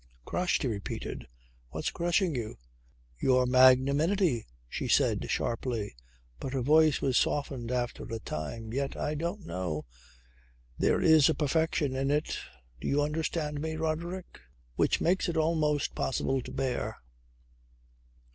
"Crushed!" he repeated. "What's crushing you?" "Your magnanimity," she said sharply. But her voice was softened after a time. "Yet I don't know. There is a perfection in it do you understand me, Roderick? which makes it almost possible to bear."